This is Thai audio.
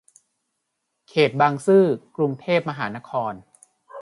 เขตบางซื่อ กรุงเทพมหานคร